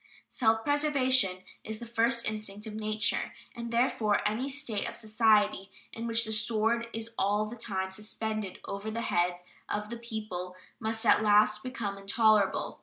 Self preservation is the first instinct of nature, and therefore any state of society in which the sword is all the time suspended over the heads of the people must at last become intolerable.